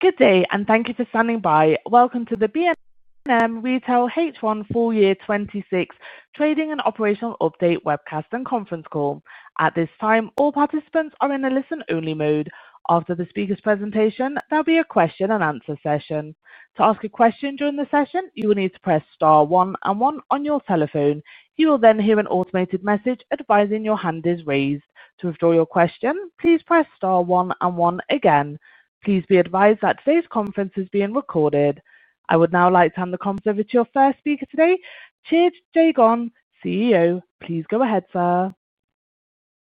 Good day and thank you for standing by. Welcome to the B&M Retail H1 Full Year 2026 Trading and Operational Update Webcast and Conference Call. At this time, all participants are in a listen-only mode. After the speaker's presentation, there'll be a question and answer session. To ask a question during the session, you will need to press star one and one on your telephone. You will then hear an automated message advising your hand is raised. To withdraw your question, please press star one and one again. Please be advised that today's conference is being recorded. I would now like to hand the conference over to your first speaker today, Tjeerd Jegen, CEO. Please go ahead, sir.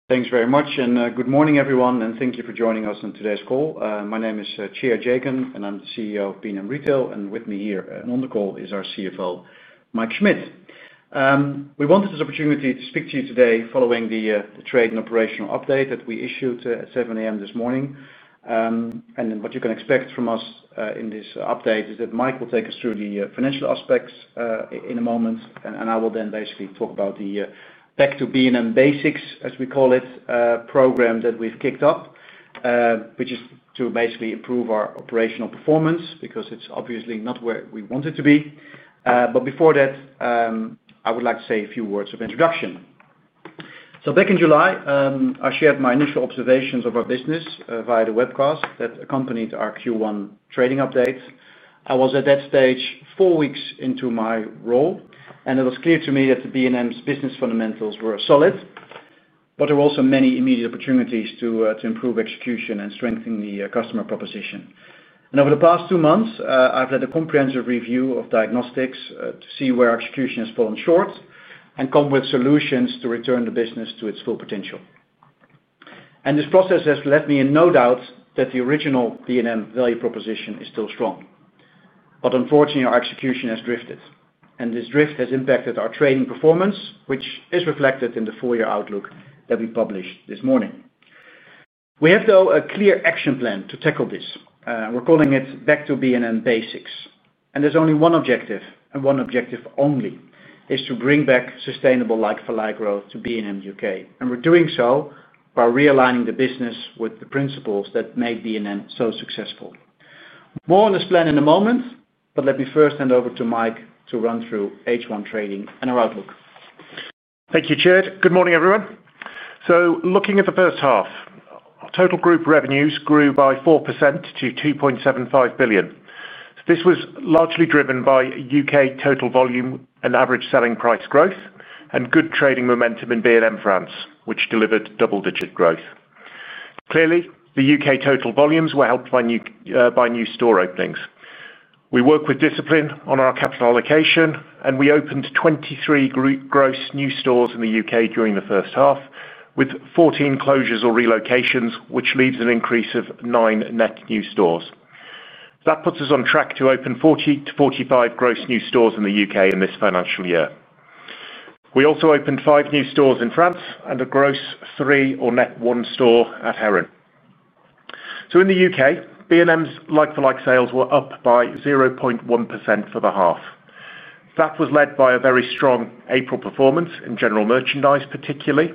Thanks very much, and good morning everyone, and thank you for joining us on today's call. My name is Tjeerd Jegen, and I'm the CEO of B&M Retail, and with me here on the call is our CFO, Mike Schmidt. We wanted this opportunity to speak to you today following the trade and operational update that we issued at 7:00 A.M. this morning. What you can expect from us in this update is that Mike will take us through the financial aspects in a moment, and I will then basically talk about the Back to B&M Basics, as we call it, program that we've kicked up, which is to basically improve our operational performance because it's obviously not where we want it to be. Before that, I would like to say a few words of introduction. Back in July, I shared my initial observations of our business via the webcast that accompanied our Q1 trading update. I was at that stage four weeks into my role, and it was clear to me that B&M's business fundamentals were solid, but there were also many immediate opportunities to improve execution and strengthen the customer proposition. Over the past two months, I've led a comprehensive review of diagnostics to see where execution has fallen short and come with solutions to return the business to its full potential. This process has left me in no doubt that the original B&M value proposition is still strong. Unfortunately, our execution has drifted, and this drift has impacted our trading performance, which is reflected in the four-year outlook that we published this morning. We have, though, a clear action plan to tackle this. We're calling it Back to B&M Basics. There's only one objective, and one objective only is to bring back sustainable like-for-like growth to B&M U.K. We're doing so by realigning the business with the principles that made B&M so successful. More on this plan in a moment, but let me first hand over to Mike to run through H1 trading and our outlook. Thank you, Tjeerd. Good morning everyone. Looking at the first half, total group revenues grew by 4% to 2.75 billion. This was largely driven by U.K. total volume and average selling price growth and good trading momentum in B&M France, which delivered double-digit growth. Clearly, the U.K. total volumes were helped by new store openings. We work with discipline on our capital allocation, and we opened 23 gross new stores in the U.K. during the first half, with 14 closures or relocations, which leads to an increase of nine net new stores. That puts us on track to open 40-45 gross new stores in the U.K. in this financial year. We also opened five new stores in France and a gross three or net one store at Heron Foods. In the U.K., B&M's like-for-like sales were up by 0.1% for the half. That was led by a very strong April performance in general merchandise, particularly,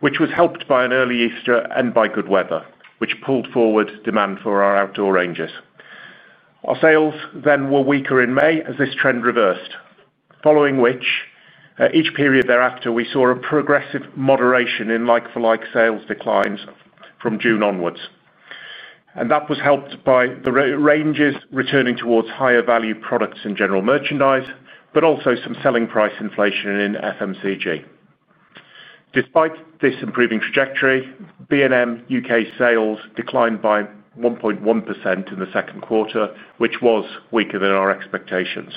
which was helped by an early Easter and by good weather, which pulled forward demand for our outdoor ranges. Our sales then were weaker in May as this trend reversed, following which each period thereafter we saw a progressive moderation in like-for-like sales declines from June onwards. That was helped by the ranges returning towards higher value products in general merchandise, but also some selling price inflation in FMCG. Despite this improving trajectory, B&M U.K. sales declined by 1.1% in the second quarter, which was weaker than our expectations.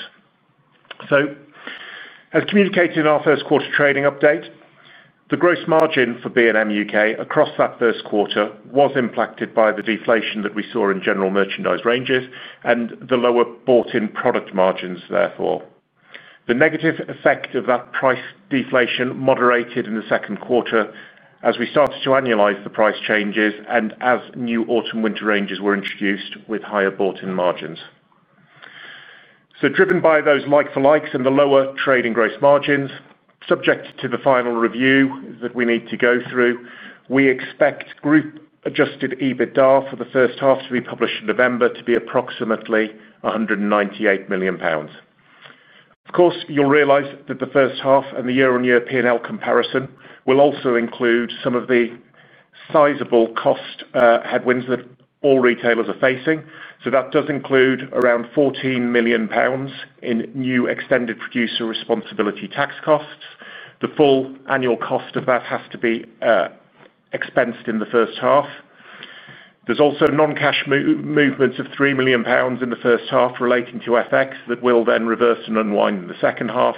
As communicated in our first quarter trading update, the gross margin for B&M U.K. across that first quarter was impacted by the deflation that we saw in general merchandise ranges and the lower bought-in product margins, therefore. The negative effect of that price deflation moderated in the second quarter as we started to annualize the price changes and as new autumn-winter ranges were introduced with higher bought-in margins. Driven by those like-for-likes and the lower trading gross margins, subject to the final review that we need to go through, we expect group adjusted EBITDA for the first half to be published in November to be approximately 198 million pounds. Of course, you'll realize that the first half and the year-on-year P&L comparison will also include some of the sizable cost headwinds that all retailers are facing. That does include around 14 million pounds in new extended producer responsibility tax costs. The full annual cost of that has to be expensed in the first half. There are also non-cash movements of 3 million pounds in the first half relating to FX that will then reverse and unwind in the second half.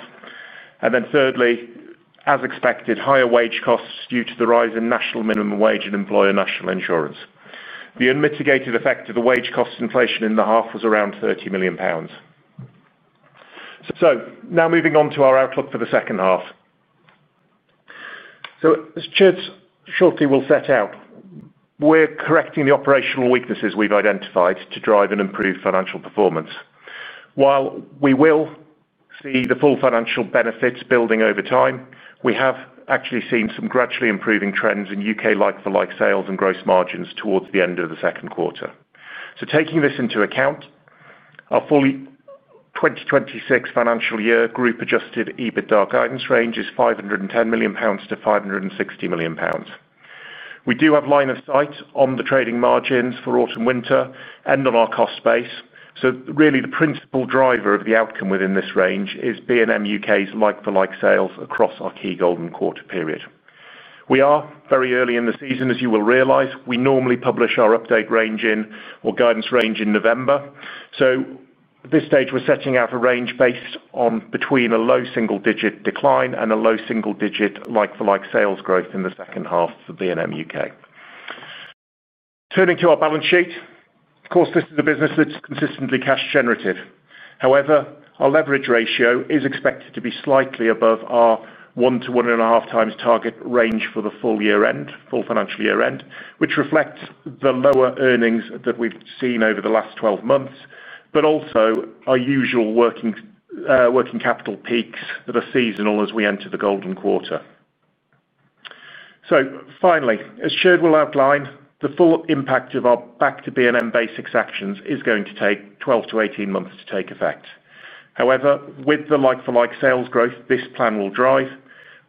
Thirdly, as expected, higher wage costs due to the rise in national minimum wage and employer national insurance. The unmitigated effect of the wage cost inflation in the half was around 30 million pounds. Now moving on to our outlook for the second half. As Tjeerd shortly will set out, we're correcting the operational weaknesses we've identified to drive and improve financial performance. While we will see the full financial benefits building over time, we have actually seen some gradually improving trends in U.K. like-for-like sales and gross margins towards the end of the second quarter. Taking this into account, our full 2026 financial year group-adjusted EBITDA guidance range is 510 million-560 million pounds. We do have line of sight on the trading margins for autumn-winter and on our cost base. Really, the principal driver of the outcome within this range is B&M U.K.'s like-for-like sales across our key golden quarter period. We are very early in the season, as you will realize. We normally publish our update range or guidance range in November. At this stage, we're setting out a range based on between a low single-digit decline and a low single-digit like-for-like sales growth in the second half for B&M U.K. Turning to our balance sheet, of course, this is the business that's consistently cash-generative. However, our leverage ratio is expected to be slightly above our 1x-1.5x target range for the full year-end, full financial year-end, which reflects the lower earnings that we've seen over the last 12 months, but also our usual working capital peaks that are seasonal as we enter the golden quarter. Finally, as Tjeerd will outline, the full impact of our Back to B&M Basics actions is going to take 12 months-18 months to take effect. However, with the like-for-like sales growth this plan will drive,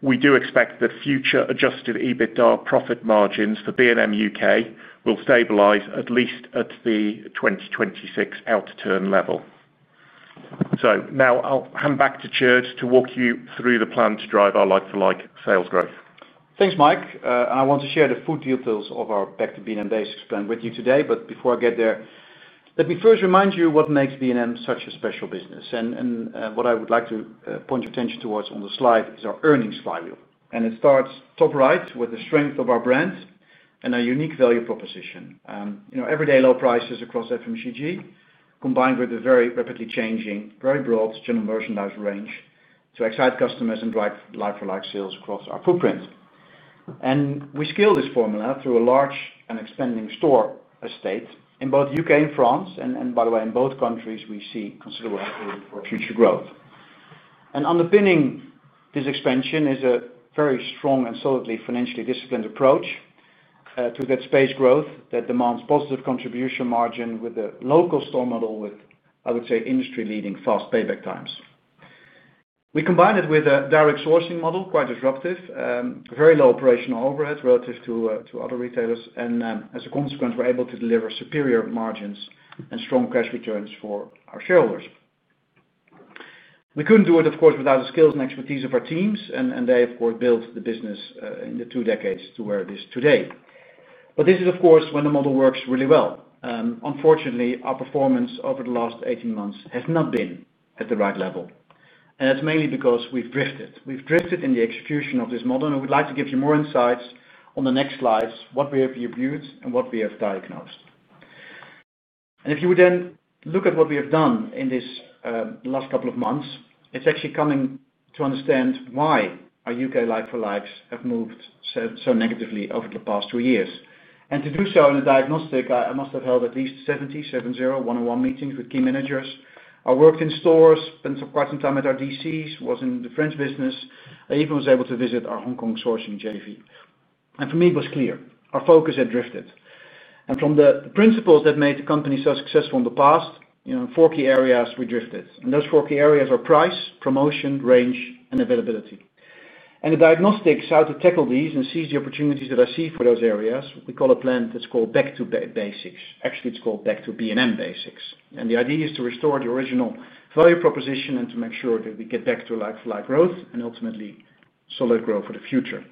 we do expect the future adjusted EBITDA profit margins for B&M U.K. will stabilize at least at the 2026 out-of-turn level. Now I'll hand back to Tjeerd to walk you through the plan to drive our like-for-like sales growth. Thanks, Mike. I want to share the full details of our Back to B&M Basics plan with you today. Before I get there, let me first remind you what makes B&M such a special business. What I would like to point your attention towards on the slide is our earnings flywheel. It starts top right with the strength of our brands and our unique value proposition. You know, everyday low prices across FMCG combined with a very rapidly changing, very broad general merchandise range to excite customers and drive like-for-like sales across our footprint. We scale this formula through a large and expanding store estate in both U.K. and France. By the way, in both countries, we see considerable future growth. Underpinning this expansion is a very strong and solidly financially disciplined approach to that space growth that demands positive contribution margin with a local store model with, I would say, industry-leading fast payback times. We combine it with a direct sourcing model, quite disruptive, very low operational overhead relative to other retailers. As a consequence, we're able to deliver superior margins and strong cash returns for our shareholders. We couldn't do it, of course, without the skills and expertise of our teams. They, of course, built the business in the two decades to where it is today. This is, of course, when the model works really well. Unfortunately, our performance over the last 18 months has not been at the right level. It's mainly because we've drifted. We've drifted in the execution of this model. I'd like to give you more insights on the next slides, what we have reviewed and what we have diagnosed. If you would then look at what we have done in this last couple of months, it's actually coming to understand why our U.K. like-for-likes have moved so negatively over the past two years. To do so in a diagnostic, I must have held at least 70, seven zero, 101 meetings with key managers. I worked in stores, spent quite some time at our DCs, was in the French business. I even was able to visit our Hong Kong sourcing [JV]. For me, it was clear. Our focus had drifted. From the principles that made the company so successful in the past, you know, four key areas we drifted. Those four key areas are price, promotion, range, and availability. The diagnostics how to tackle these and seize the opportunities that I see for those areas, we call a plan that's called Back to Basics. Actually, it's called Back to B&M Basics. The idea is to restore the original value proposition and to make sure that we get back to like-for-like growth and ultimately solid growth for the future.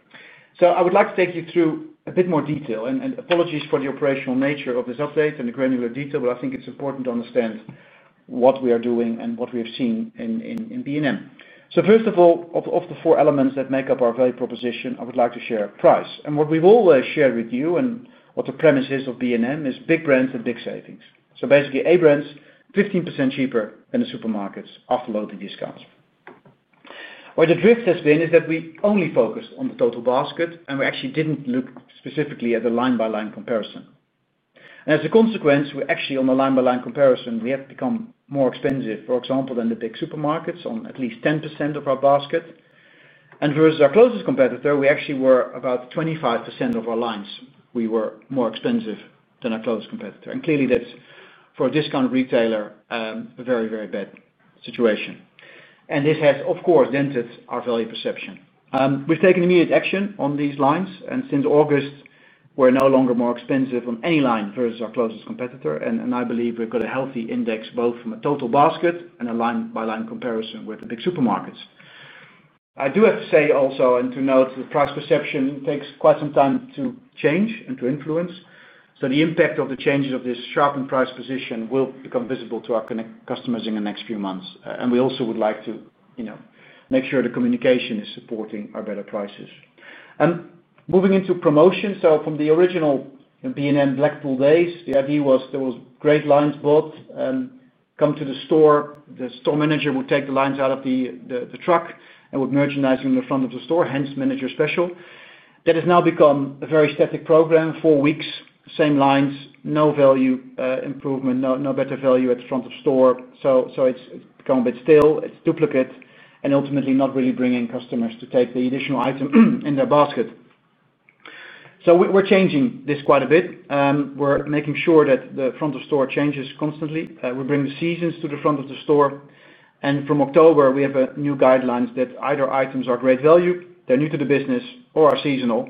I would like to take you through a bit more detail. Apologies for the operational nature of this update and the granular detail, but I think it's important to understand what we are doing and what we have seen in B&M. First of all, of the four elements that make up our value proposition, I would like to share price. What we've always shared with you and what the premise is of B&M is big brands and big savings. Basically, A brands 15% cheaper than the supermarkets after loading discounts. Where the drift has been is that we only focused on the total basket, and we actually didn't look specifically at a line-by-line comparison. As a consequence, on the line-by-line comparison, we have become more expensive, for example, than the big supermarkets on at least 10% of our basket. Versus our closest competitor, we actually were about 25% of our lines. We were more expensive than our closest competitor. Clearly, that's for a discount retailer, a very, very bad situation. This has, of course, dented our value perception. We've taken immediate action on these lines. Since August, we're no longer more expensive on any line versus our closest competitor. I believe we've got a healthy index both from a total basket and a line-by-line comparison with the big supermarkets. I do have to say also, and to note, the price perception takes quite some time to change and to influence. The impact of the changes of this sharpened price position will become visible to our customers in the next few months. We also would like to, you know, make sure the communication is supporting our better prices. Moving into promotion, from the original B&M Blackpool days, the idea was there were great lines bought and come to the store. The store manager would take the lines out of the truck and would merchandise them in the front of the store, hence manager special. That has now become a very static program, four weeks, same lines, no value improvement, no better value at the front of store. It's become a bit still. It's duplicate and ultimately not really bringing customers to take the additional item in their basket. We're changing this quite a bit. We're making sure that the front of store changes constantly. We bring the seasons to the front of the store. From October, we have new guidelines that either items are great value, they're new to the business, or are seasonal,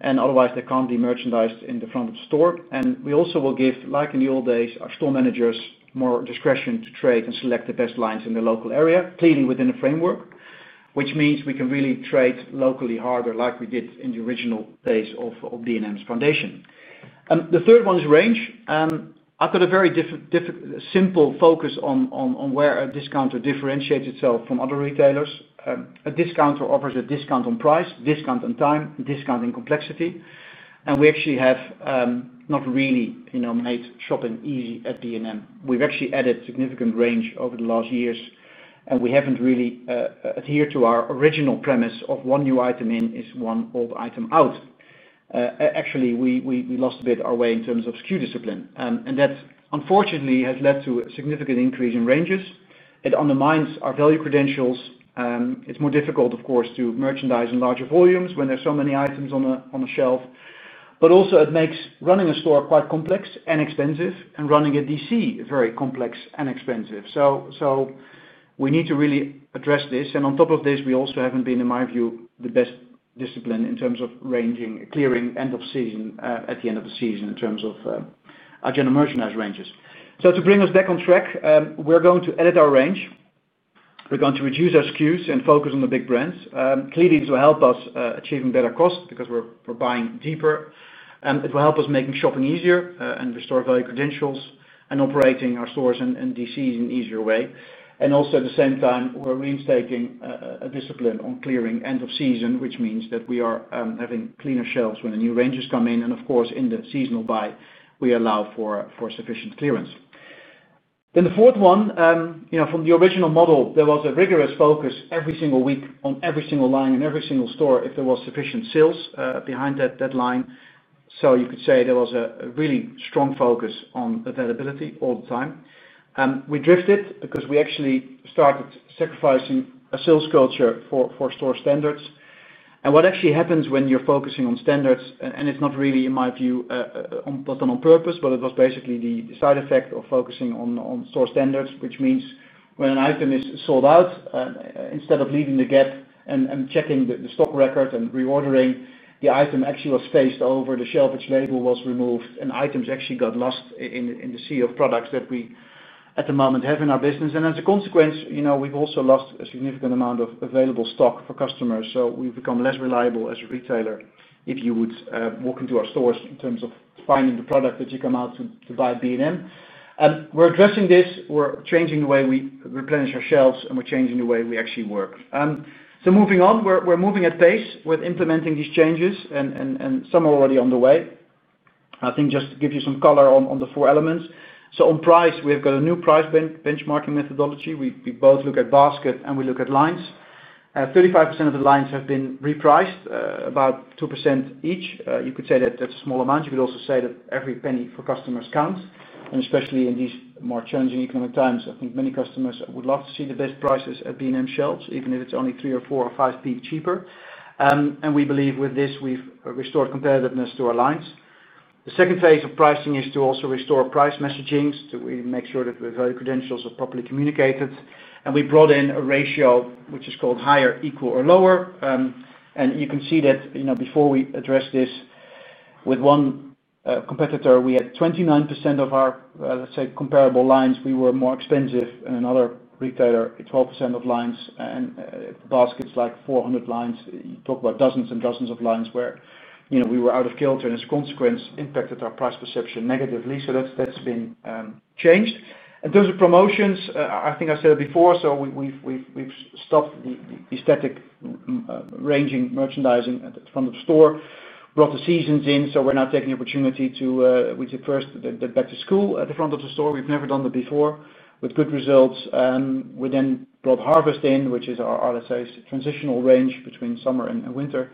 and otherwise they can't be merchandised in the front of the store. We also will give, like in the old days, our store managers more discretion to trade and select the best lines in the local area, clearly within the framework, which means we can really trade locally harder like we did in the original days of B&M's foundation. The third one is range. I've got a very simple focus on where a discounter differentiates itself from other retailers. A discounter offers a discount on price, discount on time, discount in complexity. We actually have not really made shopping easy at B&M. We've actually added significant range over the last years, and we haven't really adhered to our original premise of one new item in is one old item out. Actually, we lost a bit our way in terms of SKU discipline. That unfortunately has led to a significant increase in ranges. It undermines our value credentials. It's more difficult, of course, to merchandise in larger volumes when there are so many items on a shelf. It also makes running a store quite complex and expensive and running a DC very complex and expensive. We need to really address this. On top of this, we also haven't been, in my view, the best discipline in terms of ranging, clearing end of season at the end of the season in terms of our general merchandise ranges. To bring us back on track, we're going to edit our range. We're going to reduce our SKUs and focus on the big brands. Clearly, this will help us achieve better costs because we're buying deeper. It will help us make shopping easier and restore value credentials and operating our stores and DCs in an easier way. At the same time, we're reinstating a discipline on clearing end of season, which means that we are having cleaner shelves when the new ranges come in. In the seasonal buy, we allow for sufficient clearance. The fourth one, from the original model, there was a rigorous focus every single week on every single line in every single store if there were sufficient sales behind that line. You could say there was a really strong focus on availability all the time. We drifted because we actually started sacrificing a sales culture for store standards. What actually happens when you're focusing on standards, and it's not really, in my view, on purpose, but it was basically the side effect of focusing on store standards, which means when an item is sold out, instead of leaving the gap and checking the stock record and reordering, the item actually was phased over, the shelf, its label was removed, and items actually got lost in the sea of products that we at the moment have in our business. As a consequence, we've also lost a significant amount of available stock for customers. We've become less reliable as a retailer if you would walk into our stores in terms of finding the product that you come out to buy at B&M. We're addressing this. We're changing the way we replenish our shelves, and we're changing the way we actually work. Moving on, we're moving at pace with implementing these changes, and some are already underway. I think just to give you some color on the four elements. On price, we've got a new price benchmarking methodology. We both look at basket and we look at lines. 35% of the lines have been repriced, about 2% each. You could say that that's a small amount. You could also say that every penny for customers counts. Especially in these more challenging economic times, I think many customers would love to see the best prices at B&M shelves, even if it's only 0.03 or 0.04 or 0.05 cheaper. We believe with this, we've restored competitiveness to our lines. The second phase of pricing is to also restore price messaging to really make sure that the value credentials are properly communicated. We brought in a ratio, which is called higher, equal, or lower. You can see that before we addressed this with one competitor, we had 29% of our, let's say, comparable lines. We were more expensive than another retailer, 12% of lines. Baskets like 400 lines. You talk about dozens and dozens of lines where we were out of kilter. As a consequence, it impacted our price perception negatively. That's been changed. Those are promotions. I think I said it before. We've stopped the aesthetic ranging merchandising at the front of the store. Brought the seasons in. We're now taking the opportunity to, we did first, that back to school at the front of the store. We've never done that before with good results. We then brought harvest in, which is our, let's say, transitional range between summer and winter.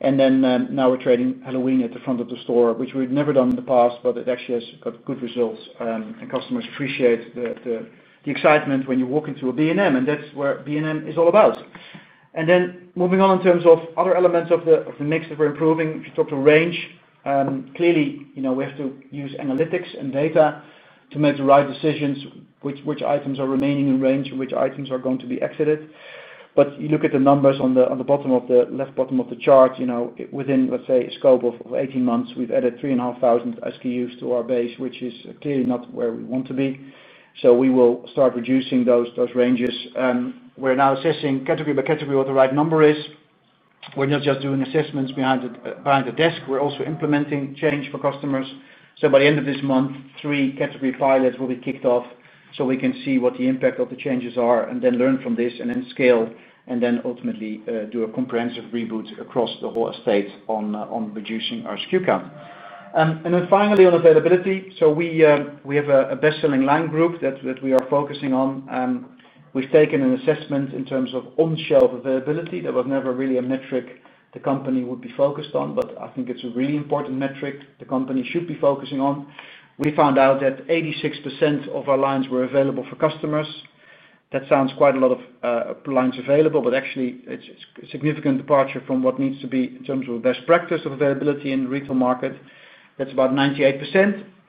We're trading Halloween at the front of the store, which we've never done in the past, but it actually has got good results. Customers appreciate the excitement when you walk into a B&M. That's what B&M is all about. Moving on in terms of other elements of the mix that we're improving, if you talk to range, clearly, you know, we have to use analytics and data to make the right decisions, which items are remaining in range and which items are going to be exited. You look at the numbers on the bottom of the left bottom of the chart, within, let's say, a scope of 18 months, we've added 3,500 SKUs to our base, which is clearly not where we want to be. We will start reducing those ranges. We're now assessing category by category what the right number is. We're not just doing assessments behind the desk. We're also implementing change for customers. By the end of this month, three category pilots will be kicked off so we can see what the impact of the changes are and then learn from this and then scale and ultimately do a comprehensive reboot across the whole estate on reducing our SKU count. Finally, on availability, we have a best-selling line group that we are focusing on. We've taken an assessment in terms of on-shelf availability. There was never really a metric the company would be focused on, but I think it's a really important metric the company should be focusing on. We found out that 86% of our lines were available for customers. That sounds quite a lot of lines available, but actually, it's a significant departure from what needs to be in terms of best practice of availability in the retail market. That's about 98%.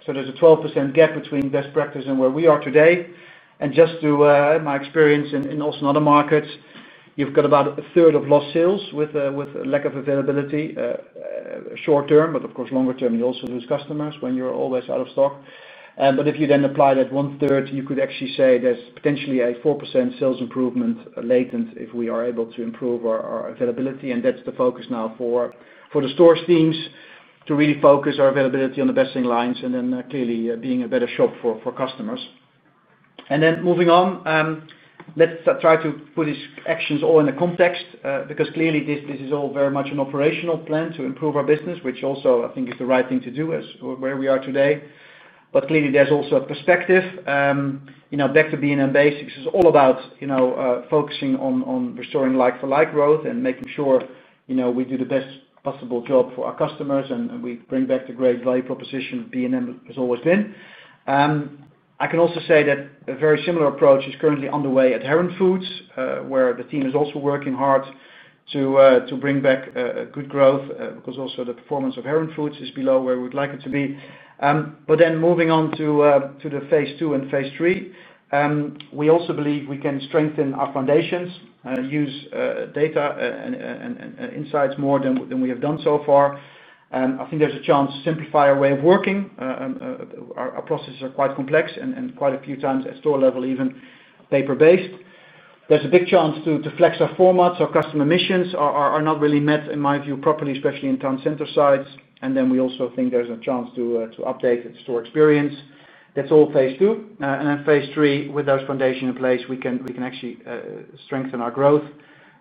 There's a 12% gap between best practice and where we are today. Through my experience in other markets, you've got about a third of lost sales with a lack of availability short term. Of course, longer term, you also lose customers when you're always out of stock. If you then apply that one third, you could actually say there's potentially a 4% sales improvement latent if we are able to improve our availability. That's the focus now for the stores' teams to really focus our availability on the best selling lines and clearly being a better shop for customers. Moving on, let's try to put these actions all in a context because clearly, this is all very much an operational plan to improve our business, which also I think is the right thing to do as where we are today. Clearly, there's also a perspective. Back to B&M Basics, it's all about focusing on restoring like-for-like growth and making sure we do the best possible job for our customers and we bring back the great value proposition B&M has always been. I can also say that a very similar approach is currently underway at Heron Foods, where the team is also working hard to bring back good growth because also the performance of Heron Foods is below where we would like it to be. Moving on to the phase two and phase three, we also believe we can strengthen our foundations, use data and insights more than we have done so far. I think there's a chance to simplify our way of working. Our processes are quite complex and quite a few times at store level, even paper-based. There's a big chance to flex our formats. Our customer missions are not really met, in my view, properly, especially in town center sites. We also think there's a chance to update its store experience. That's all phase two. Phase three, with those foundations in place, we can actually strengthen our growth.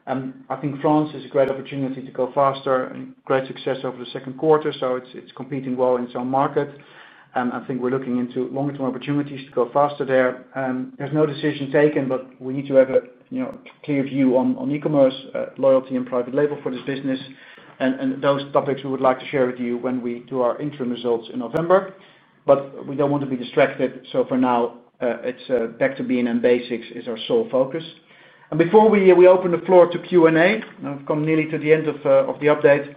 I think France is a great opportunity to go faster, great success over the second quarter. It's competing well in its own market. I think we're looking into longer-term opportunities to go faster there. There's no decision taken, but we need to have a clear view on e-commerce, loyalty, and private label for this business. Those topics we would like to share with you when we do our interim results in November. We don't want to be distracted. For now, Back to B&M Basics is our sole focus. Before we open the floor to Q&A, we've come nearly to the end of the update.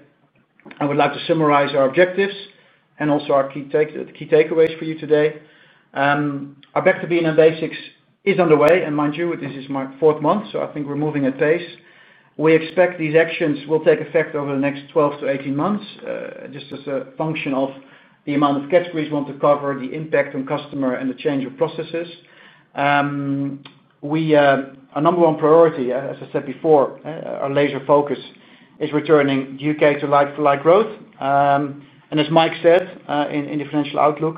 I would like to summarize our objectives and also our key takeaways for you today. Our Back to B&M Basics is underway. Mind you, this is my fourth month. I think we're moving at pace. We expect these actions will take effect over the next 12 months-18 months, just as a function of the amount of categories we want to cover, the impact on customer, and the change of processes. Our number one priority, as I said before, our laser focus is returning the U.K. to like-for-like growth. As Mike said in the financial outlook,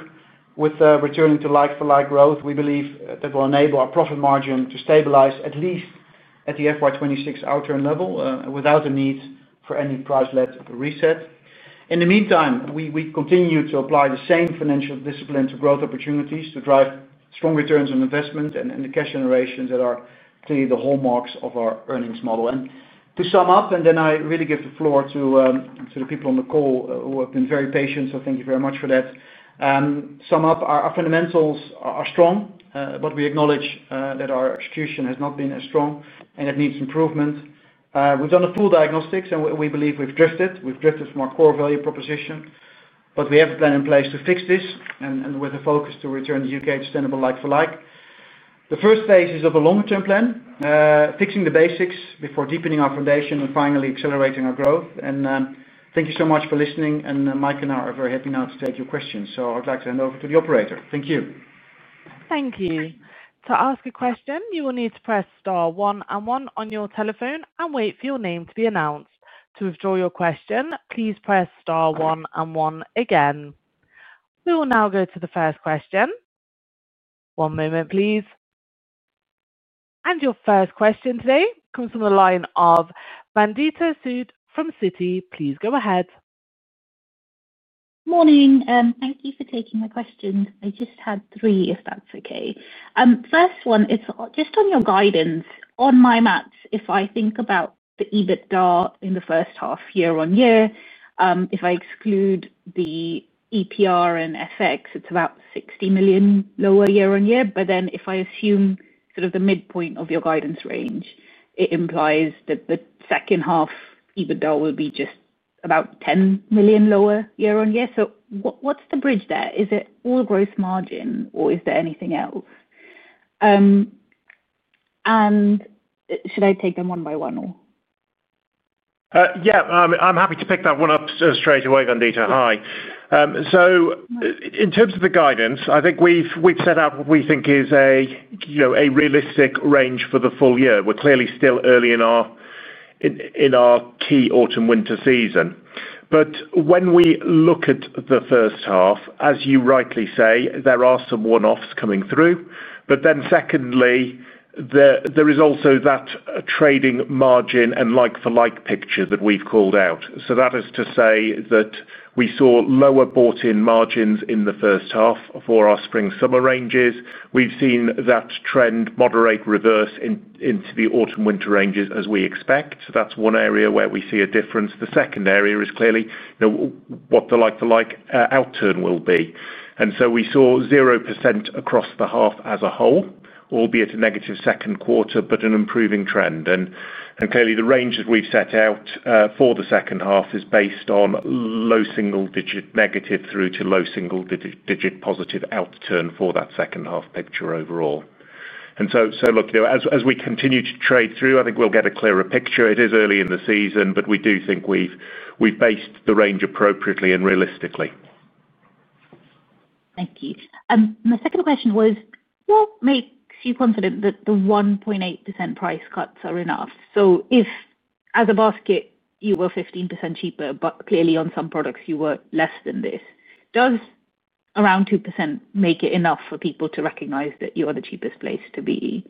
with returning to like-for-like growth, we believe that will enable our profit margin to stabilize at least at the FY 2026 out-turn level without the need for any price-led reset. In the meantime, we continue to apply the same financial discipline to growth opportunities to drive strong returns on investment and the cash generations that are clearly the hallmarks of our earnings model. To sum up, I really give the floor to the people on the call who have been very patient. Thank you very much for that. To sum up, our fundamentals are strong, but we acknowledge that our execution has not been as strong and it needs improvement. We've done a full diagnostics and we believe we've drifted. We've drifted from our core value proposition, but we have a plan in place to fix this with a focus to return the U.K. to stand up a like-for-like. The first phase is of a longer-term plan, fixing the basics before deepening our foundation and finally accelerating our growth. Thank you so much for listening. Mike and I are very happy now to take your questions. I'd like to hand over to the operator. Thank you. Thank you. To ask a question, you will need to press star one and one on your telephone and wait for your name to be announced. To withdraw your question, please press star one and one again. We will now go to the first question. One moment, please. Your first question today comes from the line of Vandita Sood from Citi. Please go ahead. Morning. Thank you for taking the question. I just had three, if that's okay. First one is just on your guidance on my maps. If I think about the EBITDA in the first half, year on year, if I exclude the extended producer responsibility tax and FX, it's about 60 million lower year-on-year. If I assume sort of the midpoint of your guidance range, it implies that the second half EBITDA will be just about 10 million lower year-on-year. What's the bridge there? Is it all gross margin or is there anything else? Should I take them one by one? Yeah, I'm happy to pick that one up straight away, Vandita. Hi. In terms of the guidance, I think we've set out what we think is a realistic range for the full year. We're clearly still early in our key autumn-winter season. When we look at the first half, as you rightly say, there are some one-offs coming through. There is also that trading margin and like-for-like picture that we've called out. That is to say that we saw lower bought-in margins in the first half for our spring-summer ranges. We've seen that trend moderate, reverse into the autumn-winter ranges as we expect. That's one area where we see a difference. The second area is clearly what the like-for-like out-turn will be. We saw 0% across the half as a whole, albeit a negative second quarter, but an improving trend. Clearly, the range that we've set out for the second half is based on low single-digit negative through to low single-digit positive out-turn for that second half picture overall. As we continue to trade through, I think we'll get a clearer picture. It is early in the season, but we do think we've based the range appropriately and realistically. Thank you. My second question was, what makes you confident that the 1.8% price cuts are enough? If as a basket, you were 15% cheaper, but clearly on some products you were less than this, does around 2% make it enough for people to recognize that you are the cheapest place to be?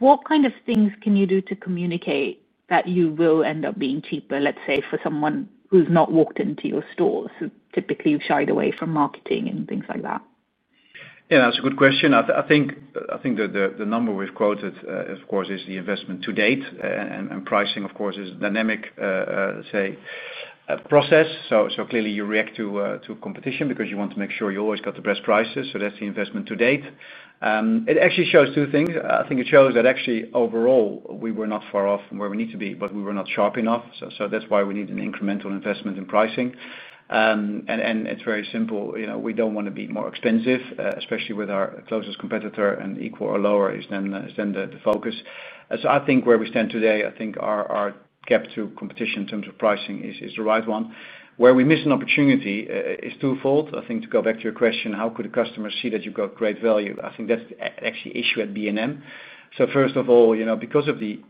What kind of things can you do to communicate that you will end up being cheaper, let's say, for someone who's not walked into your store? Typically, you've shied away from marketing and things like that. Yeah, that's a good question. I think the number we've quoted, of course, is the investment to date. Pricing, of course, is a dynamic, let's say, process. Clearly, you react to competition because you want to make sure you always got the best prices. That's the investment to date. It actually shows two things. I think it shows that actually overall, we were not far off from where we need to be, but we were not sharp enough. That's why we need an incremental investment in pricing. It's very simple. You know, we don't want to be more expensive, especially with our closest competitor, and equal or lower is then the focus. I think where we stand today, I think our gap to competition in terms of pricing is the right one. Where we miss an opportunity is twofold. To go back to your question, how could a customer see that you've got great value? I think that's actually an issue at B&M. First of all, you know, because of the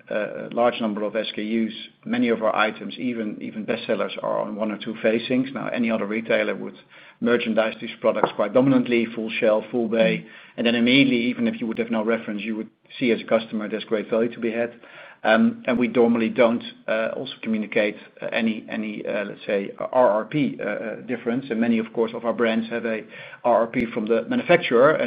large number of SKUs, many of our items, even bestsellers, are on one or two phasings. Any other retailer would merchandise these products quite dominantly, full shelf, full bay, and then immediately, even if you would have no reference, you would see as a customer there's great value to be had. We normally don't also communicate any, let's say, RRP difference. Many, of course, of our brands have an RRP from the manufacturer.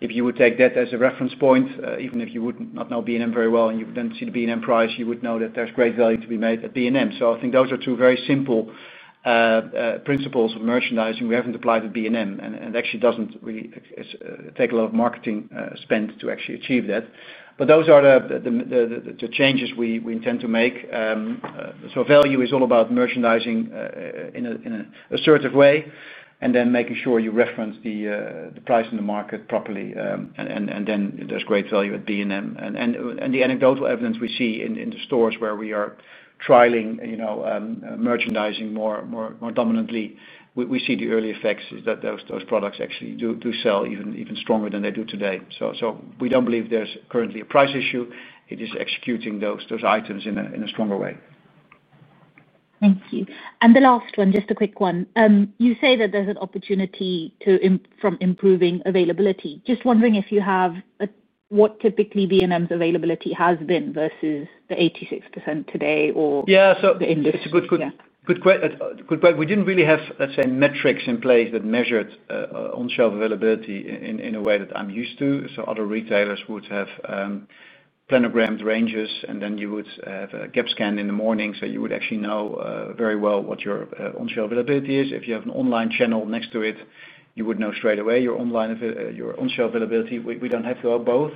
If you would take that as a reference point, even if you would not know B&M very well, and you would then see the B&M price, you would know that there's great value to be made at B&M. I think those are two very simple principles of merchandising we haven't applied at B&M. It actually doesn't really take a lot of marketing spend to actually achieve that. Those are the changes we intend to make. Value is all about merchandising in an assertive way and then making sure you reference the price in the market properly. Then there's great value at B&M. The anecdotal evidence we see in the stores where we are trialing, you know, merchandising more dominantly, we see the early effects that those products actually do sell even stronger than they do today. We don't believe there's currently a price issue. It is executing those items in a stronger way. Thank you. The last one, just a quick one. You say that there's an opportunity from improving availability. Just wondering if you have what typically B&M's availability has been versus the 86% today or the industry. Yeah, it's a good question. We didn't really have, let's say, metrics in place that measured on-shelf availability in a way that I'm used to. Other retailers would have planograms, ranges, and then you would have a GAP scan in the morning. You would actually know very well what your on-shelf availability is. If you have an online channel next to it, you would know straight away your on-shelf availability. We don't have to have both.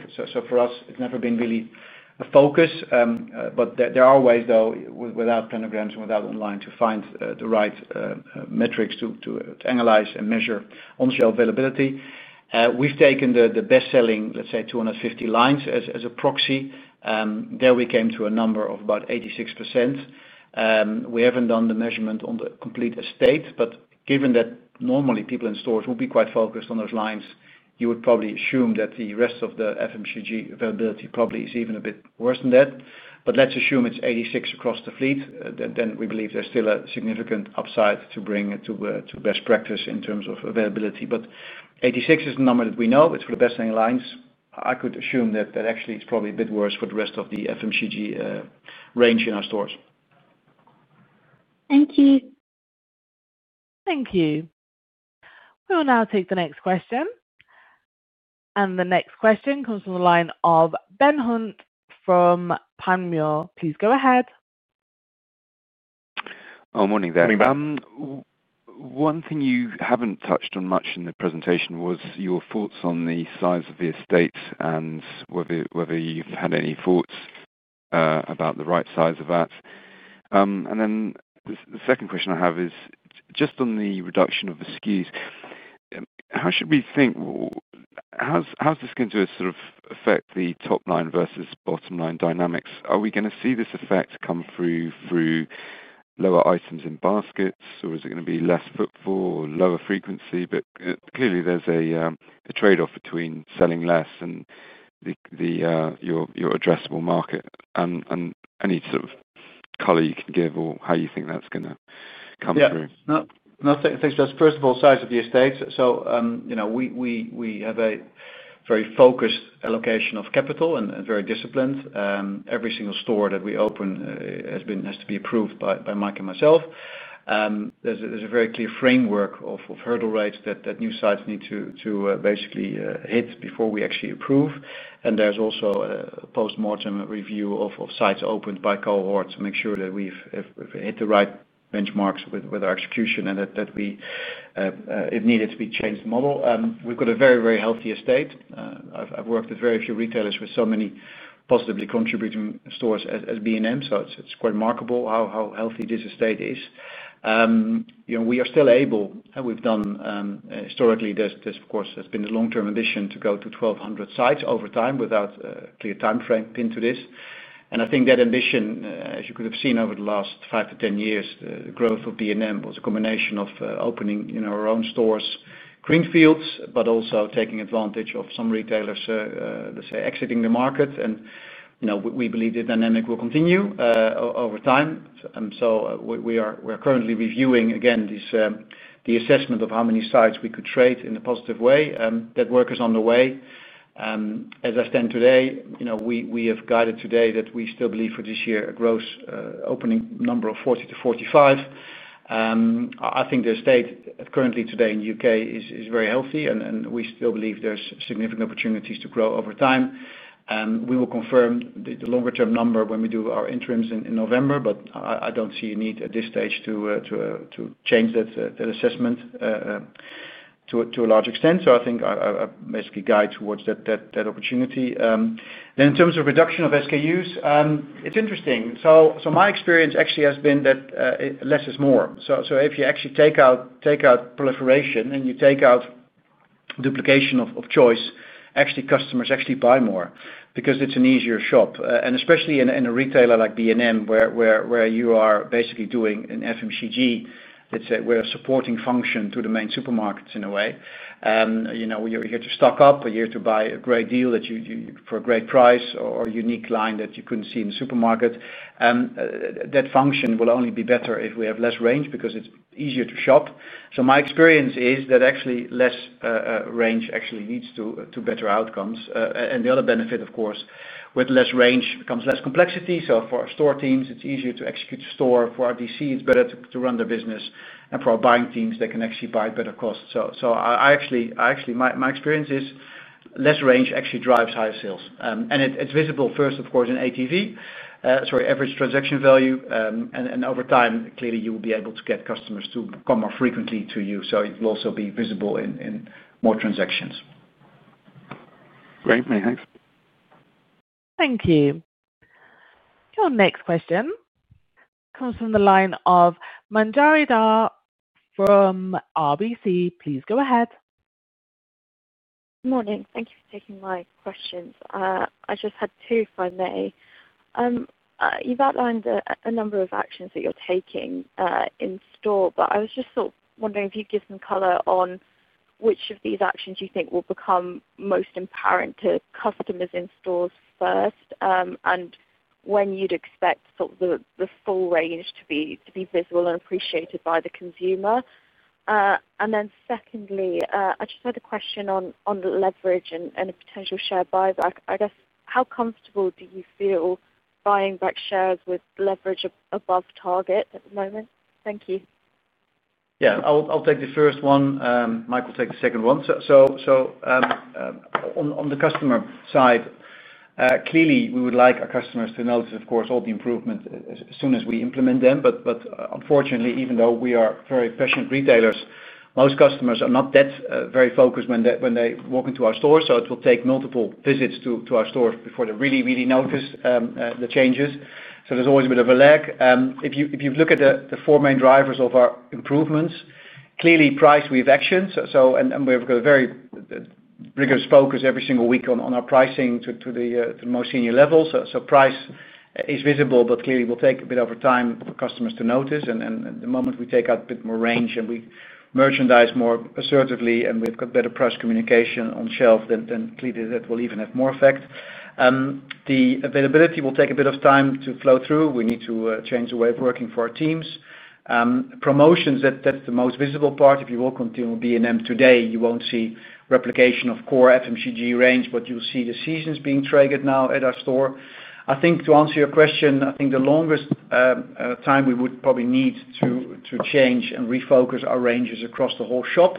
For us, it's never been really a focus. There are ways, though, without planograms and without online, to find the right metrics to analyze and measure on-shelf availability. We've taken the best-selling, let's say, 250 lines as a proxy. There we came to a number of about 86%. We haven't done the measurement on the complete estate. Given that normally people in stores will be quite focused on those lines, you would probably assume that the rest of the FMCG availability probably is even a bit worse than that. Let's assume it's 86% across the fleet. We believe there's still a significant upside to bring to best practice in terms of availability. 86% is the number that we know. It's for the best-selling lines. I could assume that that actually is probably a bit worse for the rest of the FMCG range in our stores. Thank you. Thank you. We will now take the next question. The next question comes from the line of [Ben Hunt from Pine Muir]. Please go ahead. Oh, morning there. One thing you haven't touched on much in the presentation was your thoughts on the size of the estate and whether you've had any thoughts about the right size of that. The second question I have is just on the reduction of SKUs. How should we think, how's this going to sort of affect the top line versus bottom line dynamics? Are we going to see this effect come through through lower items in baskets, or is it going to be less footfall or lower frequency? Clearly, there's a trade-off between selling less and your addressable market. Any sort of color you can give or how you think that's going to come through? Yeah. No, thanks, Jess. First of all, size of the estate. You know we have a very focused allocation of capital and very disciplined. Every single store that we open has to be approved by Mike and myself. There's a very clear framework of hurdle rates that new sites need to basically hit before we actually approve. There's also a post-mortem review of sites opened by cohorts to make sure that we've hit the right benchmarks with our execution and that, if needed, we change the model. We've got a very, very healthy estate. I've worked with very few retailers with so many positively contributing stores as B&M. It's quite remarkable how healthy this estate is. You know we are still able, and we've done historically, this, of course, has been a long-term ambition to go to 1,200 sites over time without a clear timeframe pinned to this. I think that ambition, as you could have seen over the last 5 years-10 years, the growth of B&M was a combination of opening our own stores' greenfields, but also taking advantage of some retailers, let's say, exiting the market. We believe the dynamic will continue over time. We are currently reviewing, again, the assessment of how many sites we could trade in a positive way. That work is on the way. As I stand today, we have guided today that we still believe for this year a gross opening number of 40-45. I think the estate currently today in the U.K. is very healthy, and we still believe there's significant opportunities to grow over time. We will confirm the longer-term number when we do our interims in November, but I don't see a need at this stage to change that assessment to a large extent. I think I basically guide towards that opportunity. In terms of reduction of SKUs, it's interesting. My experience actually has been that less is more. If you actually take out proliferation and you take out duplication of choice, customers actually buy more because it's an easier shop. Especially in a retailer like B&M, where you are basically doing an FMCG, let's say, we're a supporting function to the main supermarkets in a way. You know you're here to stock up, you're here to buy a great deal for a great price or a unique line that you couldn't see in the supermarket. That function will only be better if we have less range because it's easier to shop. My experience is that actually less range actually leads to better outcomes. The other benefit, of course, with less range comes less complexity. For our store teams, it's easier to execute a store. For our DC, it's better to run their business. For our buying teams, they can actually buy at better cost. My experience is less range actually drives higher sales. It's visible first, of course, in ATV, sorry, average transaction value. Over time, clearly, you will be able to get customers to come more frequently to you. It will also be visible in more transactions. Great, many thanks. Thank you. Your next question comes from the line of Manjari Dhar from RBC. Please go ahead. Morning. Thank you for taking my questions. I just had two, if I may. You've outlined a number of actions that you're taking in store, but I was just sort of wondering if you'd give some color on which of these actions you think will become most empowering to customers in stores first, and when you'd expect the full range to be visible and appreciated by the consumer. Secondly, I just had a question on leverage and a potential share buyback. I guess, how comfortable do you feel buying back shares with leverage above target at the moment? Thank you. Yeah, I'll take the first one. Mike will take the second one. On the customer side, clearly, we would like our customers to notice, of course, all the improvements as soon as we implement them. Unfortunately, even though we are very patient retailers, most customers are not that very focused when they walk into our store. It will take multiple visits to our store before they really, really notice the changes. There's always a bit of a lag. If you look at the four main drivers of our improvements, clearly, price, we have actions. We've got a very rigorous focus every single week on our pricing to the most senior levels. Price is visible, but clearly, it will take a bit of time for customers to notice. The moment we take out a bit more range and we merchandise more assertively and we've got better price communication on shelf, that will even have more effect. The availability will take a bit of time to flow through. We need to change the way of working for our teams. Promotions, that's the most visible part. If you walk into B&M today, you won't see replication of core FMCG range, but you'll see the seasons being triggered now at our store. I think to answer your question, the longest time we would probably need to change and refocus our ranges across the whole shop.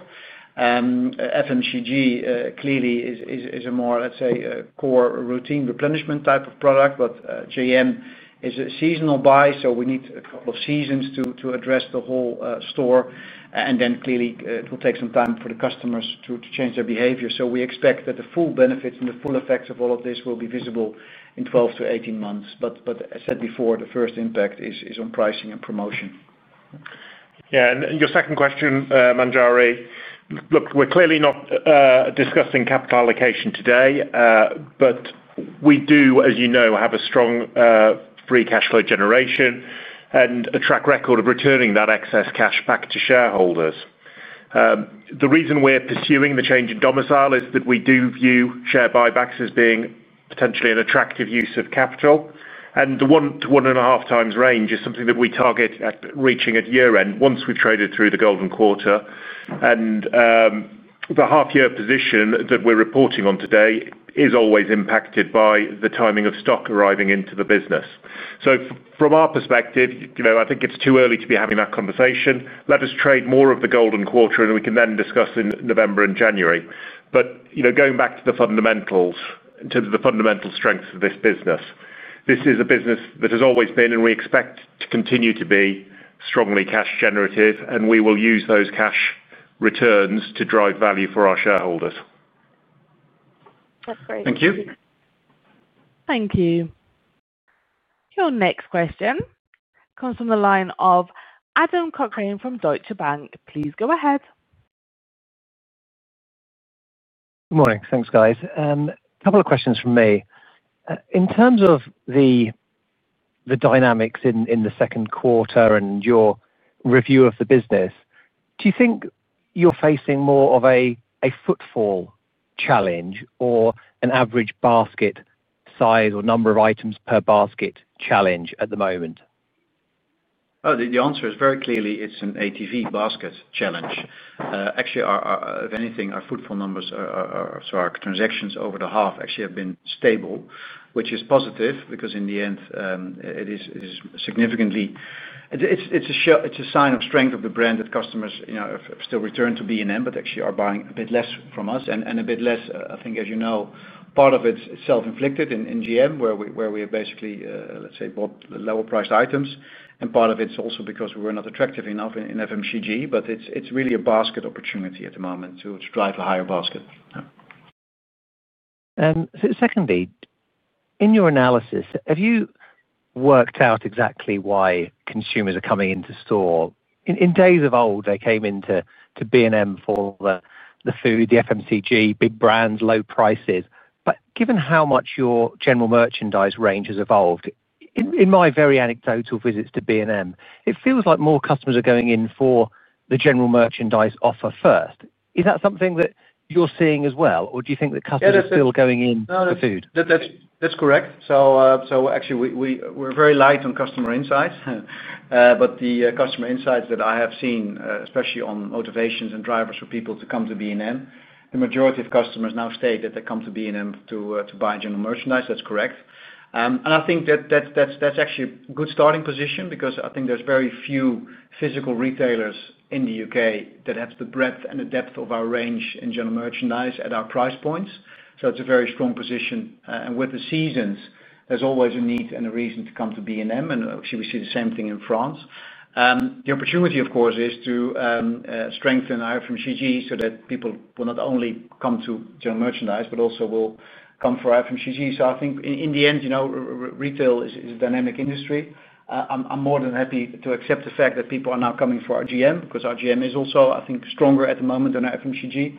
FMCG clearly is a more, let's say, core routine replenishment type of product, but general merchandise is a seasonal buy. We need a couple of seasons to address the whole store. It will take some time for the customers to change their behavior. We expect that the full benefits and the full effects of all of this will be visible in 12 months-18 months. As I said before, the first impact is on pricing and promotion. Yeah. Your second question, Manjari, look, we're clearly not discussing capital allocation today, but we do, as you know, have a strong free cash flow generation and a track record of returning that excess cash back to shareholders. The reason we're pursuing the change in domicile is that we do view share buybacks as being potentially an attractive use of capital. The 1x-1.5x range is something that we target at reaching at year end once we've traded through the golden quarter. The half-year position that we're reporting on today is always impacted by the timing of stock arriving into the business. From our perspective, I think it's too early to be having that conversation. Let us trade more of the golden quarter, and we can then discuss in November and January. Going back to the fundamentals and to the fundamental strengths of this business, this is a business that has always been, and we expect to continue to be, strongly cash generative, and we will use those cash returns to drive value for our shareholders. That's great. Thank you. Thank you. Your next question comes from the line of Adam Cochrane from Deutsche Bank. Please go ahead. Good morning. Thanks, guys. A couple of questions from me. In terms of the dynamics in the second quarter and your review of the business, do you think you're facing more of a footfall challenge or an average basket size or number of items per basket challenge at the moment? It is very clearly an ATV basket challenge. Actually, if anything, our footfall numbers, so our transactions over the half, have been stable, which is positive because in the end, it is significantly a sign of strength of the brand that customers still return to B&M, but actually are buying a bit less from us and a bit less. I think, as you know, part of it's self-inflicted in general merchandise products, where we basically, let's say, bought lower-priced items. Part of it's also because we were not attractive enough in FMCG, but it's really a basket opportunity at the moment to drive a higher basket. Secondly, in your analysis, have you worked out exactly why consumers are coming into store? In days of old, they came into B&M for the food, the FMCG, big brands, low prices. Given how much your general merchandise range has evolved, in my very anecdotal visits to B&M, it feels like more customers are going in for the general merchandise offer first. Is that something that you're seeing as well, or do you think that customers are still going in for food? That's correct. We're very light on customer insights, but the customer insights that I have seen, especially on motivations and drivers for people to come to B&M, the majority of customers now state that they come to B&M to buy general merchandise. That's correct. I think that that's actually a good starting position because I think there's very few physical retailers in the U.K. that have the breadth and the depth of our range in general merchandise at our price points. It's a very strong position. With the seasons, there's always a need and a reason to come to B&M. We see the same thing in France. The opportunity, of course, is to strengthen our FMCG so that people will not only come to general merchandise, but also will come for our FMCG. I think in the end, you know, retail is a dynamic industry. I'm more than happy to accept the fact that people are now coming for our GM because our GM is also, I think, stronger at the moment than our FMCG.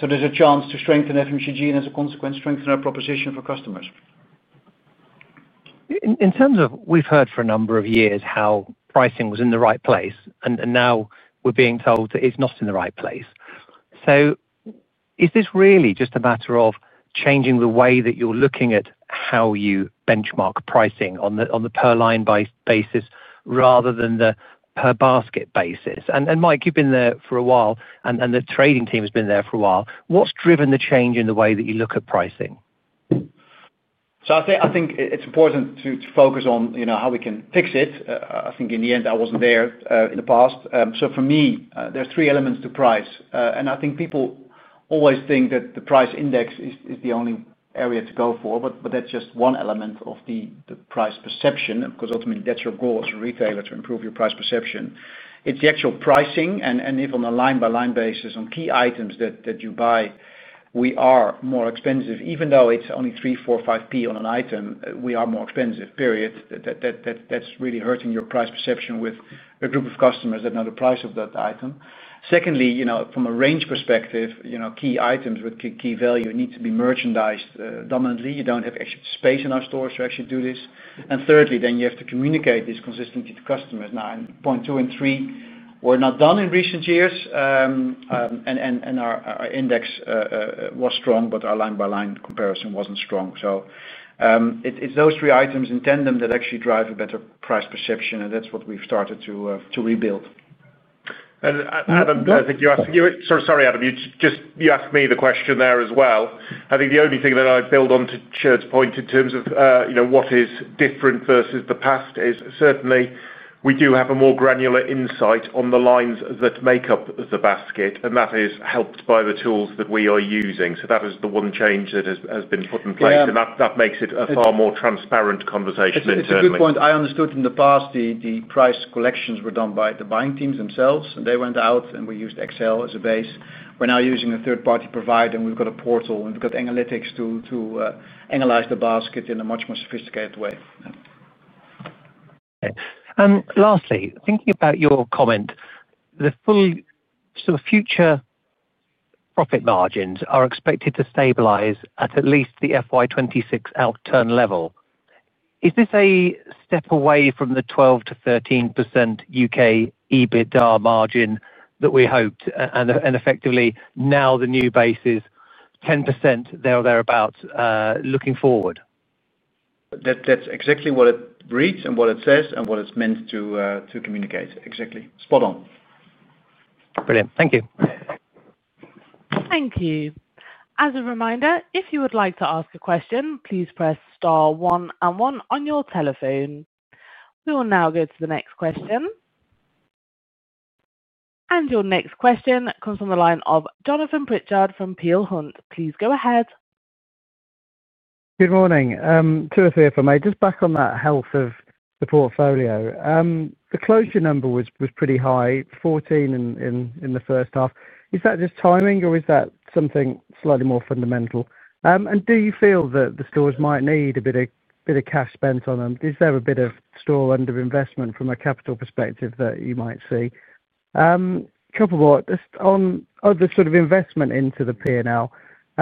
There's a chance to strengthen FMCG and as a consequence, strengthen our proposition for customers. In terms of we've heard for a number of years how pricing was in the right place, and now we're being told that it's not in the right place. Is this really just a matter of changing the way that you're looking at how you benchmark pricing on the per line by basis rather than the per basket basis? Mike, you've been there for a while, and the trading team has been there for a while. What's driven the change in the way that you look at pricing? I think it's important to focus on how we can fix it. In the end, I wasn't there in the past. For me, there are three elements to price. I think people always think that the price index is the only area to go for, but that's just one element of the price perception because ultimately, that's your goal as a retailer, to improve your price perception. It's the actual pricing. If on a line-by-line basis on key items that you buy, we are more expensive, even though it's only 0.03, 0.04, 0.05 on an item, we are more expensive, period. That's really hurting your price perception with a group of customers that know the price of that item. Secondly, from a range perspective, key items with key value need to be merchandised dominantly. You don't have space in our stores to actually do this. Thirdly, you have to communicate this consistently to customers. In point two and three, we're not done in recent years. Our index was strong, but our line-by-line comparison wasn't strong. It's those three items in tandem that actually drive a better price perception. That's what we've started to rebuild. Adam, you asked me the question there as well. I think the only thing that I'd build on to Tjeerd's point in terms of what is different versus the past is certainly, we do have a more granular insight on the lines that make up the basket. That is helped by the tools that we are using. That is the one change that has been put in place, and that makes it a far more transparent conversation. It's a good point. I understood in the past the price collections were done by the buying teams themselves. They went out and we used Excel as a base. We're now using a third-party provider, and we've got a portal, and we've got analytics to analyze the basket in a much more sophisticated way. Lastly, thinking about your comment, the full sort of future profit margins are expected to stabilize at at least the FY 2026 out-turn level. Is this a step away from the 12%-13% U.K. EBITDA margin that we hoped? Effectively, now the new base is 10% there or thereabout looking forward. That's exactly what it reads, what it says, and what it's meant to communicate. Exactly. Spot on. Brilliant. Thank you. Thank you. As a reminder, if you would like to ask a question, please press star one and one on your telephone. We will now go to the next question. Your next question comes from the line of Jonathan Pritchard from Peel Hunt. Please go ahead. Good morning. Two or three if I may. Just back on that health of the portfolio. The closure number was pretty high, 14 in the first half. Is that just timing, or is that something slightly more fundamental? Do you feel that the stores might need a bit of cash spent on them? Is there a bit of store underinvestment from a capital perspective that you might see? A couple more, just on the sort of investment into the P&L.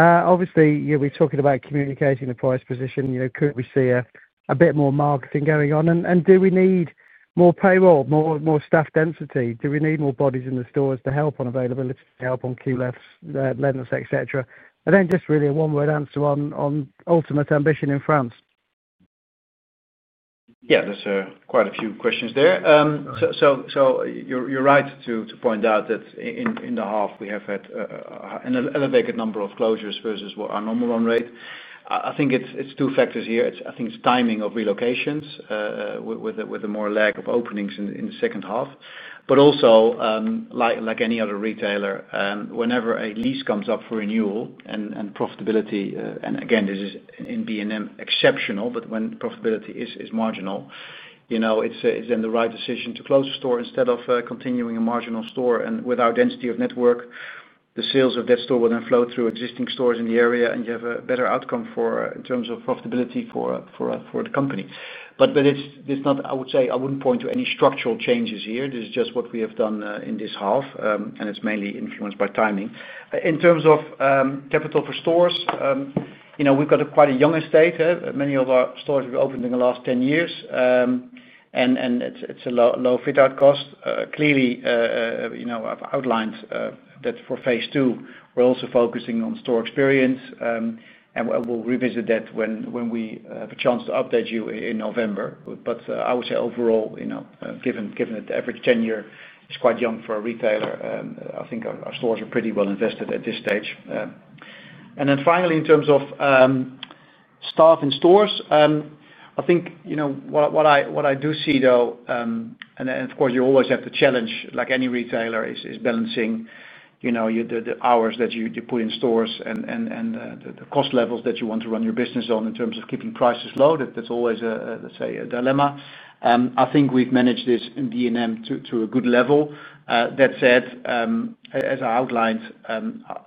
Obviously, you'll be talking about communicating the price position. You know, could we see a bit more marketing going on? Do we need more payroll, more staff density? Do we need more bodies in the stores to help on availability, to help on queue lengths, et cetera? Just really a one-word answer on ultimate ambition in France. Yeah, there's quite a few questions there. You're right to point out that in the half, we have had an elevated number of closures versus what our normal run rate is. I think it's two factors here. I think it's timing of relocations with a more lag of openings in the second half. Also, like any other retailer, whenever a lease comes up for renewal and profitability, and again, this isn't B&M exceptional, but when profitability is marginal, it's then the right decision to close the store instead of continuing a marginal store. Without density of network, the sales of that store will then flow through existing stores in the area, and you have a better outcome in terms of profitability for the company. I wouldn't point to any structural changes here. This is just what we have done in this half, and it's mainly influenced by timing. In terms of capital for stores, we've got quite a young estate. Many of our stores have been opened in the last 10 years, and it's a low fit-out cost. Clearly, I've outlined that for phase two, we're also focusing on store experience, and we'll revisit that when we have a chance to update you in November. I would say overall, given that the average 10-year is quite young for a retailer, I think our stores are pretty well invested at this stage. Finally, in terms of staff in stores, what I do see, though, and of course, you always have to challenge, like any retailer, is balancing the hours that you put in stores and the cost levels that you want to run your business on in terms of keeping prices low. That's always, let's say, a dilemma. I think we've managed this in B&M to a good level. That said, as I outlined,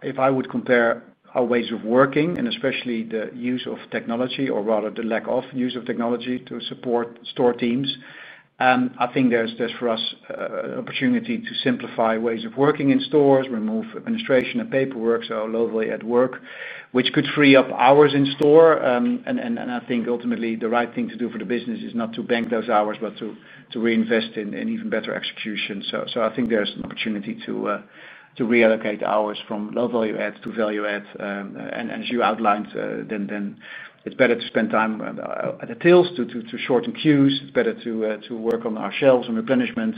if I would compare our ways of working and especially the use of technology, or rather the lack of use of technology to support store teams, I think there's for us an opportunity to simplify ways of working in stores, remove administration and paperwork, so low-value add work, which could free up hours in store. I think ultimately, the right thing to do for the business is not to bank those hours, but to reinvest in even better execution. I think there's an opportunity to reallocate the hours from low-value add to value add. As you outlined, then it's better to spend time at the tills to shorten queues. It's better to work on our shelves on replenishment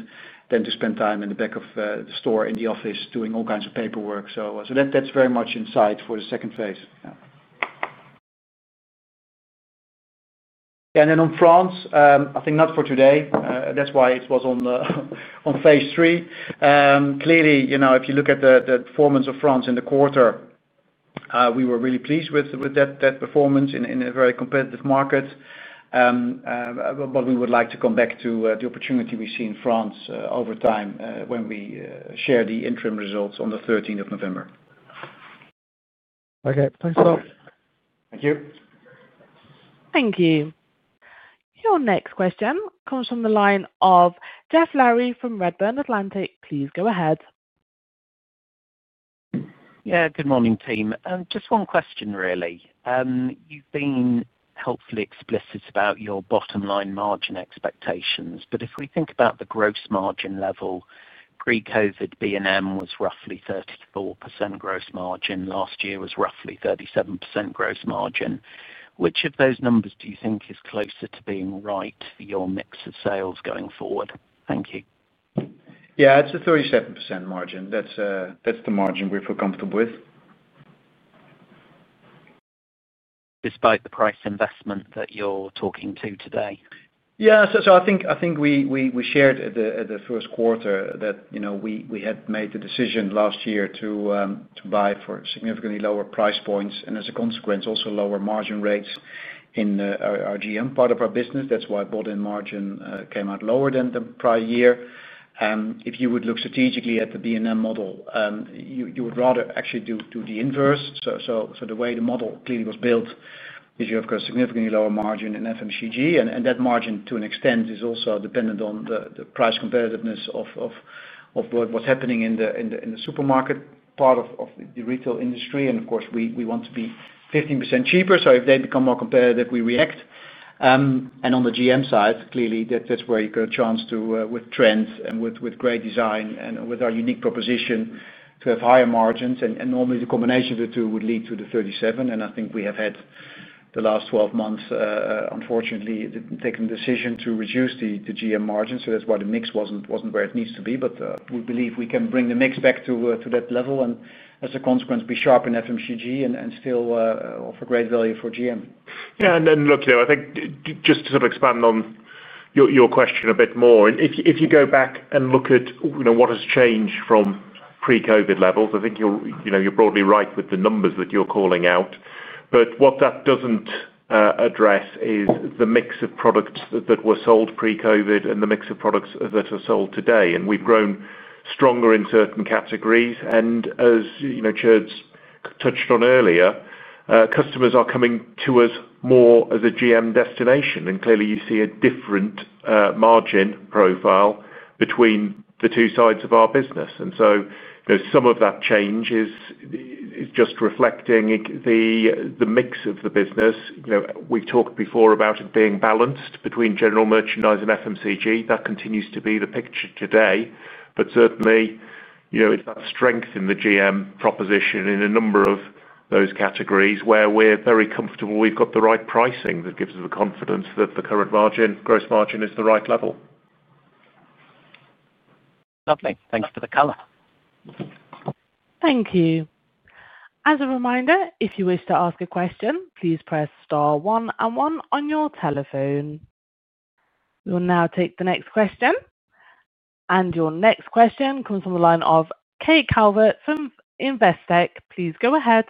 than to spend time in the back of the store in the office doing all kinds of paperwork. That's very much in sight for the second phase. On France, not for today, that's why it was on phase three. Clearly, if you look at the performance of France in the quarter, we were really pleased with that performance in a very competitive market. We would like to come back to the opportunity we see in France over time when we share the interim results on the 13th of November. Okay. Thanks, Mike. Thank you. Thank you. Your next question comes from the line of Geoff Lowery from Redburn Atlantic. Please go ahead. Good morning, team. Just one question, really. You've been helpfully explicit about your bottom line margin expectations. If we think about the gross margin level, pre-COVID, B&M was roughly 34% gross margin. Last year was roughly 37% gross margin. Which of those numbers do you think is closer to being right for your mix of sales going forward? Thank you. Yeah, it's a 37% margin. That's the margin we feel comfortable with. Despite the price investment that you're talking to today? I think we shared at the first quarter that we had made the decision last year to buy for significantly lower price points, and as a consequence, also lower margin rates in our GM part of our business. That's why bought-in margin came out lower than the prior year. If you would look strategically at the B&M model, you would rather actually do the inverse. The way the model clearly was built is you have a significantly lower margin in FMCG, and that margin, to an extent, is also dependent on the price competitiveness of what's happening in the supermarket part of the retail industry. Of course, we want to be 15% cheaper. If they become more competitive, we react. On the GM side, that's where you get a chance to, with trends and with great design and with our unique proposition, to have higher margins. Normally, the combination of the two would lead to the 37%. I think we have had the last 12 months, unfortunately, taken the decision to reduce the GM margins. That's why the mix wasn't where it needs to be. We believe we can bring the mix back to that level and, as a consequence, be sharp in FMCG and still offer great value for GM. Yeah, and look, I think just to sort of expand on your question a bit more, if you go back and look at what has changed from pre-COVID levels, I think you're broadly right with the numbers that you're calling out. What that doesn't address is the mix of products that were sold pre-COVID and the mix of products that are sold today. We've grown stronger in certain categories. As Tjeerd's touched on earlier, customers are coming to us more as a GM destination. Clearly, you see a different margin profile between the two sides of our business. Some of that change is just reflecting the mix of the business. We've talked before about it being balanced between general merchandise and FMCG. That continues to be the picture today. Certainly, it's about strength in the GM proposition in a number of those categories where we're very comfortable. We've got the right pricing that gives us the confidence that the current gross margin is the right level. Lovely. Thank you for the color. Thank you. As a reminder, if you wish to ask a question, please press star one and one on your telephone. We will now take the next question. Your next question comes from the line of Kate Calvert from Investec. Please go ahead.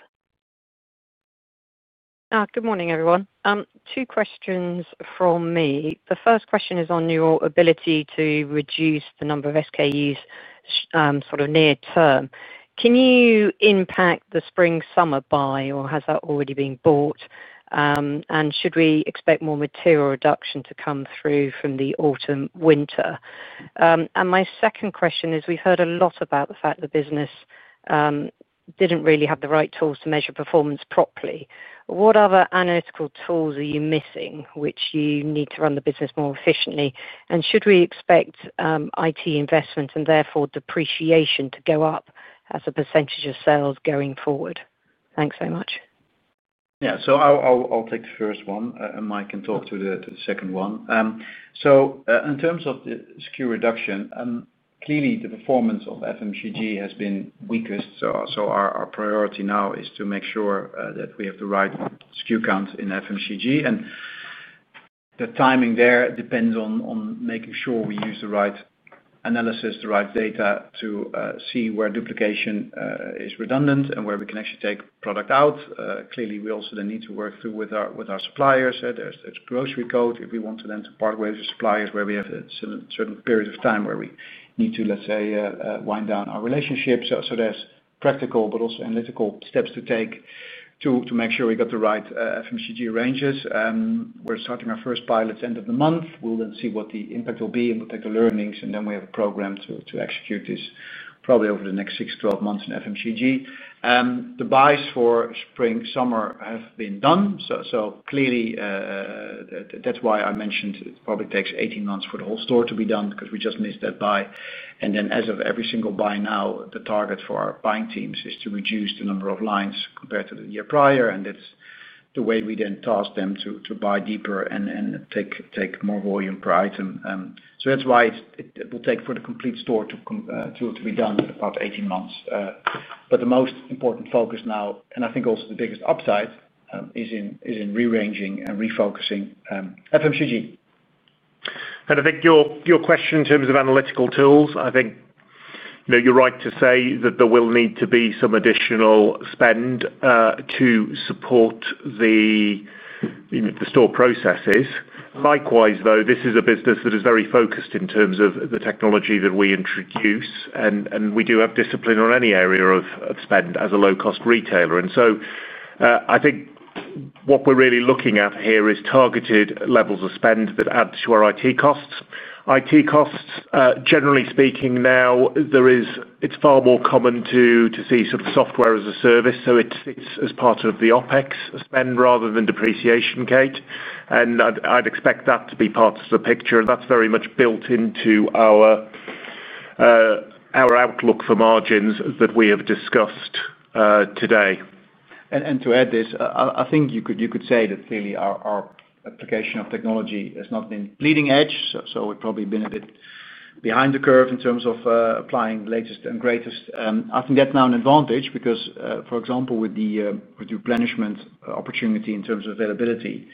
Good morning, everyone. Two questions from me. The first question is on your ability to reduce the number of SKUs sort of near term. Can you impact the spring/summer buy, or has that already been bought? Should we expect more material reduction to come through from the autumn/winter? My second question is, we've heard a lot about the fact that the business didn't really have the right tools to measure performance properly. What other analytical tools are you missing which you need to run the business more efficiently? Should we expect IT investment and therefore depreciation to go up as a percentage of sales going forward? Thanks very much. Yeah, I'll take the first one, and Mike can talk to the second one. In terms of the SKU reduction, clearly, the performance of FMCG has been weakest. Our priority now is to make sure that we have the right SKU counts in FMCG. The timing there depends on making sure we use the right analysis, the right data to see where duplication is redundant and where we can actually take product out. We also need to work through with our suppliers. There's a grocery code if we want to partner with suppliers where we have a certain period of time where we need to, let's say, wind down our relationship. There are practical, but also analytical steps to take to make sure we got the right FMCG ranges. We're starting our first pilot at the end of the month. We'll then see what the impact will be and we'll take the learnings. We have a program to execute this probably over the next 6 months-12 months in FMCG. The buys for spring/summer have been done. That's why I mentioned it probably takes 18 months for the whole store to be done because we just missed that buy. As of every single buy now, the target for our buying teams is to reduce the number of lines compared to the year prior. That's the way we then task them to buy deeper and take more volume per item. That's why it will take for the complete store to be done about 18 months. The most important focus now, and I think also the biggest upside, is in rearranging and refocusing FMCG. I think your question in terms of analytical tools, you're right to say that there will need to be some additional spend to support the store processes. Likewise, this is a business that is very focused in terms of the technology that we introduce. We do have discipline on any area of spend as a low-cost retailer. I think what we're really looking at here is targeted levels of spend that add to our IT costs. IT costs, generally speaking, now it's far more common to see sort of software as a service, so it's as part of the OpEx spend rather than depreciation, Kate. I'd expect that to be part of the picture. That's very much built into our outlook for margins that we have discussed today. To add this, I think you could say that clearly our application of technology is not in bleeding edge. We've probably been a bit behind the curve in terms of applying latest and greatest. I think that's now an advantage because, for example, with the replenishment opportunity in terms of availability,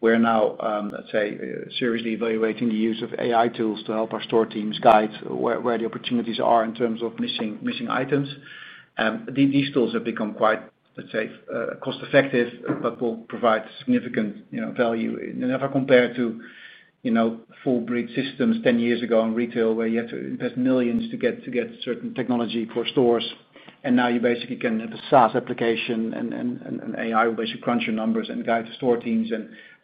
we're now, let's say, seriously evaluating the use of AI tools to help our store teams guide where the opportunities are in terms of missing items. These tools have become quite, let's say, cost-effective, but will provide significant value. If I compare to, you know, full breed systems 10 years ago in retail where you had to invest millions to get certain technology for stores, now you basically can have a SaaS application and AI will basically crunch your numbers and guide the store teams.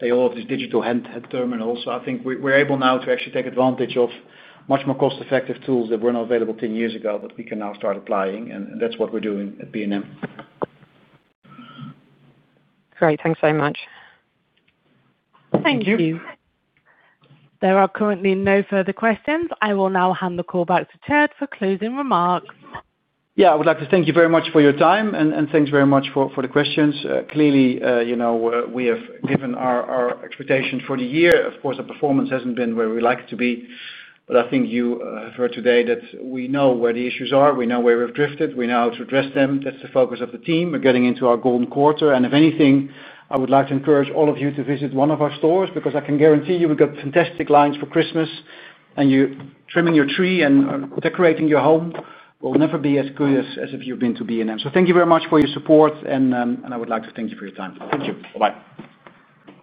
They all have these digital head terminals. I think we're able now to actually take advantage of much more cost-effective tools that were not available 10 years ago, but we can now start applying. That's what we're doing at B&M. Great. Thanks very much. Thank you. There are currently no further questions. I will now hand the call back to Tjeerd for closing remarks. I would like to thank you very much for your time, and thanks very much for the questions. Clearly, we have given our expectations for the year. Of course, our performance hasn't been where we like to be. I think you have heard today that we know where the issues are. We know where we've drifted. We know how to address them. That's the focus of the team. We're getting into our golden quarter. If anything, I would like to encourage all of you to visit one of our stores because I can guarantee you we've got fantastic lines for Christmas, and you trimming your tree and decorating your home will never be as good as if you've been to B&M. Thank you very much for your support, and I would like to thank you for your time. Thank you. Bye-bye.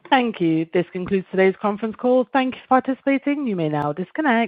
Thank you. This concludes today's conference call. Thank you for participating. You may now disconnect.